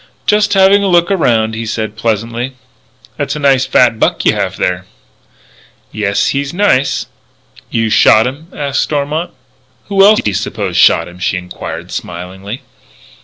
"Just having a look around," he said pleasantly. "That's a nice fat buck you have there." "Yes, he's nice." "You shot him?" asked Stormont. "Who else do you suppose shot him?" she enquired, smilingly.